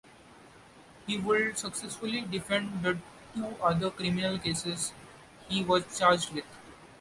He would successfully defend the two other criminal cases he was charged with.